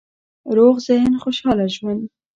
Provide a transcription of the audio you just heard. روغ ذهن، خوشحاله ژوند